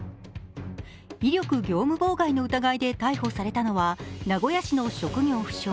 威力業務妨害の疑いで逮捕されたのは名古屋市の職業不詳